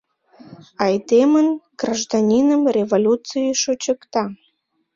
Айдемын — Гражданиным — Революций шочыкта!